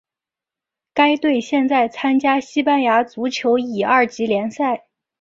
该队现在参加西班牙足球乙二级联赛。